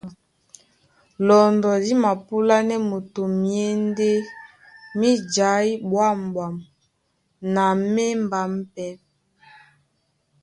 Lɔndɔ dí mapúlánɛ́ moto myěndé mí jaí ɓwâmɓwam na mí émbám pɛ́.